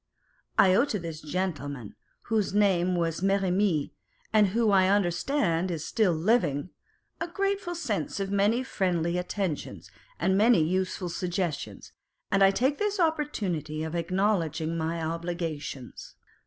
I owe to this gentleman (whose name was Merrimee, and who I understand is still living,) a grateful sense of many friendly attentions and many useful suggestions, and I take this opportunity of acknowledging my obligations.